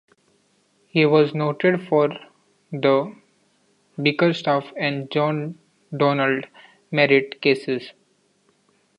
He was noted for the Bickerstaff and John Donald Merritt cases.